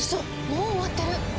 もう終わってる！